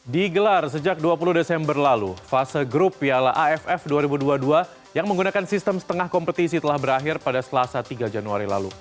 digelar sejak dua puluh desember lalu fase grup piala aff dua ribu dua puluh dua yang menggunakan sistem setengah kompetisi telah berakhir pada selasa tiga januari lalu